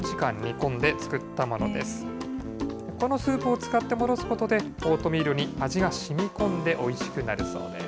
このスープを使って戻すことで、オートミールに味がしみこんで、おいしくなるそうです。